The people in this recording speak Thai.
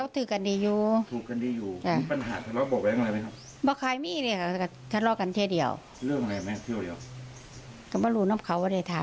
ที่แม่บอกทะเลาะครั้งเดียวนั้นเนี่ยครับ